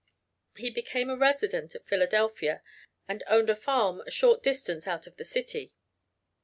He became a resident of Philadelphia, and owned a farm a short distance out of the city.